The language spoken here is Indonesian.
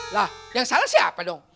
lah yang salah siapa dong